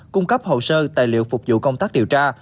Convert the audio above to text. cung cấp hồ sơ tài liệu phục vụ công tác điều tra